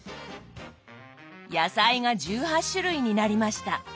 野菜が１８種類になりました。